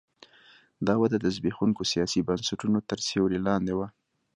دا وده د زبېښونکو سیاسي بنسټونو تر سیوري لاندې وه.